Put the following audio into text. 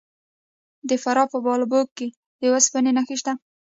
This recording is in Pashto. د فراه په بالابلوک کې د وسپنې نښې شته.